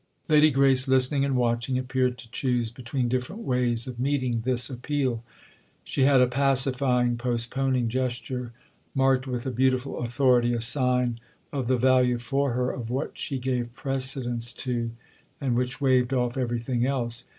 Lady Grace, listening and watching, appeared to choose between different ways of meeting this appeal; she had a pacifying, postponing gesture, marked with a beautiful authority, a sign of the value for her of what she gave precedence to and which waved off everything else.